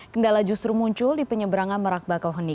kendala justru muncul di penyeberangan merak bakauheni